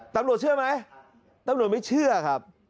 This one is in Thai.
ตำรวจเชื่อไหมตำรวจไม่เชื่อครับ